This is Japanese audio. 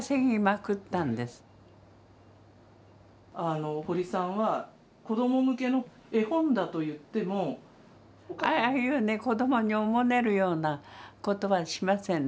あの堀さんは子供向けの絵本だといっても。ああいうね子供におもねるような事はしません。